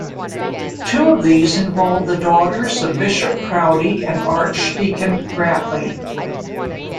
Two of these involve the daughters of Bishop Proudie and Archdeacon Grantly.